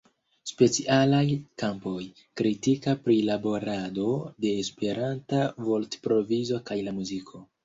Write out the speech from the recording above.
Specialaj kampoj: kritika prilaborado de la Esperanta vortprovizo kaj la muziko.